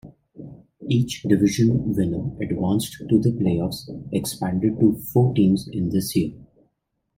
Each division winner advanced to the playoffs, expanded to four teams in this year.